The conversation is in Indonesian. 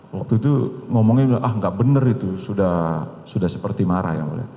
waktu itu ngomongnya ah gak bener itu sudah seperti marah ya